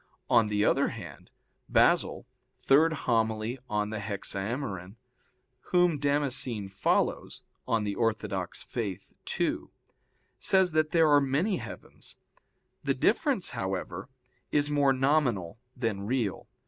On the other hand, Basil (Hom. iii in Hexaem.), whom Damascene follows (De Fide Orth. ii), says that there are many heavens. The difference, however, is more nominal than real.